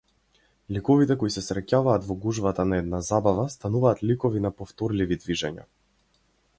Ликовите кои се среќаваат во гужвата на една забава стануваат ликови на повторливи движења.